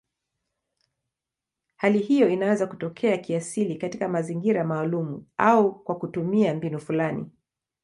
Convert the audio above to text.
Hali hiyo inaweza kutokea kiasili katika mazingira maalumu au kwa kutumia mbinu fulani.